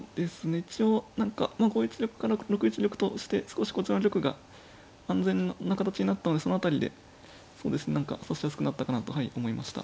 一応何か５一玉から６一玉として少しこちらの玉が安全な形になったのでその辺りで何か指しやすくなったかなと思いました。